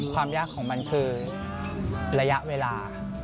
ความยากของมันคือระยะเวลา